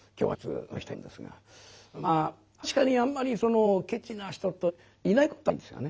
まあ噺家にあんまりそのケチな人といないことはないんですがね。